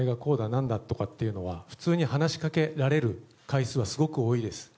なんだとかは普通に話しかけられる回数はすごく多いです。